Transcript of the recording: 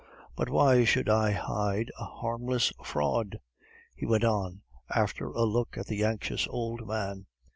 But why should I hide a harmless fraud?" he went on, after a look at the anxious old man.